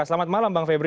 selamat malam bang febri